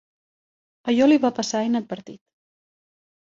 Allò li va passar inadvertit.